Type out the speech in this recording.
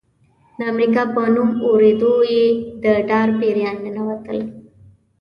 د امریکا په نوم اورېدو یې د ډار پیریان ننوتل.